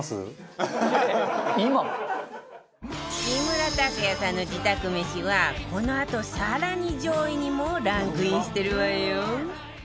木村拓哉さんの自宅めしはこのあと更に上位にもランクインしてるわよ